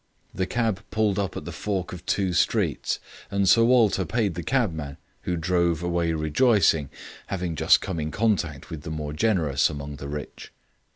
The cab pulled up at the fork of two streets and Sir Walter paid the cabman, who drove away rejoicing, having just come in contact with the more generous among the rich.